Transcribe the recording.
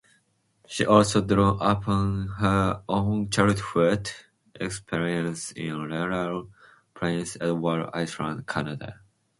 She also drew upon her own childhood experiences in rural Prince Edward Island, Canada.